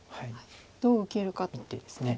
どう受けるかということですね。